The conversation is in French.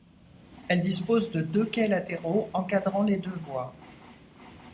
Elle dispose de deux quais latéraux encadrant les deux voies.